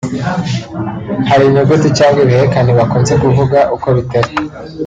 hari inyuguti cyangwa ibihekane bakunze kuvuga uko bitari